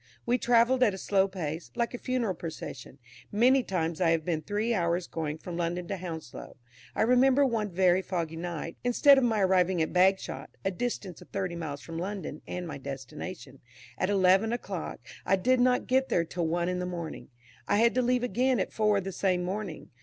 We travelled at a slow pace, like a funeral procession. Many times I have been three hours going from London to Hounslow. I remember one very foggy night, instead of my arriving at Bagshot (a distance of thirty miles from London, and my destination) at eleven o'clock, I did not get there till one in the morning. I had to leave again at four the same morning.